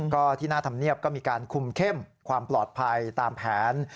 ก็ที่หน้าธรรมเนียบก็มีการคุมเข้มความปลอดภัยตามแผน